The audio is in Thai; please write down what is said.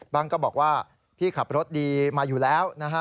ก็บอกว่าพี่ขับรถดีมาอยู่แล้วนะฮะ